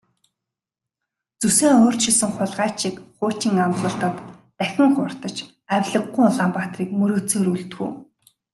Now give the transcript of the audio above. Зүсээ өөрчилсөн хулгайч шиг хуучин амлалтад дахин хууртаж авлигагүй Улаанбаатарыг мөрөөдсөөр үлдэх үү?